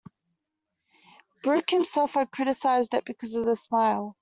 Burke himself had criticized it because of the smile.